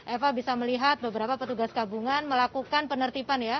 eva bisa melihat beberapa petugas kabungan melakukan penertipan ya